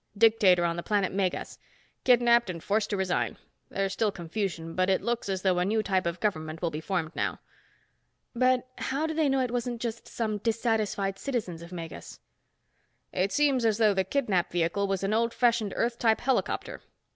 Dictator on the planet Megas. Kidnapped and forced to resign. There's still confusion but it looks as though a new type of government will be formed now." "But how do they know it wasn't just some dissatisfied citizens of Megas?" "It seems as though the kidnap vehicle was an old fashioned Earth type helicopter.